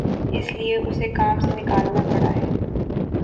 اس لیے اُسے کام سے نکالنا پڑا ہے